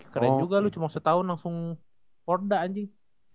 keren juga lu cuma setahun langsung porda anjing